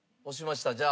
押しました。